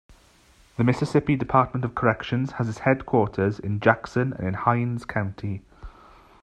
The Mississippi Department of Corrections has its headquarters in Jackson and in Hinds County.